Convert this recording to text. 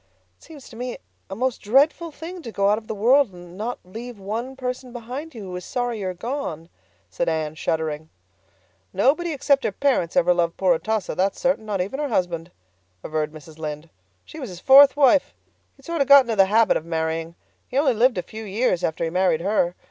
"It seems to me a most dreadful thing to go out of the world and not leave one person behind you who is sorry you are gone," said Anne, shuddering. "Nobody except her parents ever loved poor Atossa, that's certain, not even her husband," averred Mrs. Lynde. "She was his fourth wife. He'd sort of got into the habit of marrying. He only lived a few years after he married her.